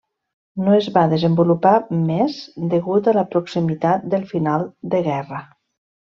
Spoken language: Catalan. No es va desenvolupar més degut a la proximitat del final de guerra.